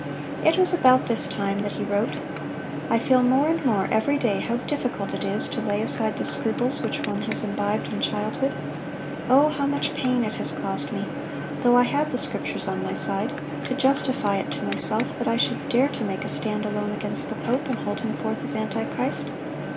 It was about this time that he wrote: "I feel more and more every day how difficult it is to lay aside the scruples which one has imbibed in childhood. O, how much pain it has caused me, though I had the Scriptures on my side, to justify it to myself that I should dare to make a stand alone against the pope, and hold him forth as antichrist!